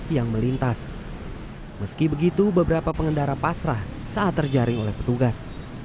yang melintas meski begitu beberapa pengendara pasrah saat terjaring oleh petugas